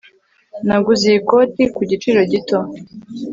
naguze iyi koti ku giciro gito